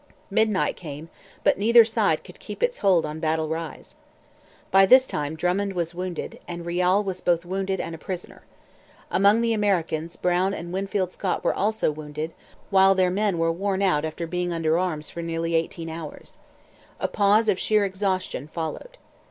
Midnight came; but neither side could keep its hold on Battle Rise. By this time Drummond was wounded; and Riall was both wounded and a prisoner. Among the Americans Brown and Winfield Scott were also wounded, while their men were worn out after being under arms for nearly eighteen hours. A pause of sheer exhaustion followed.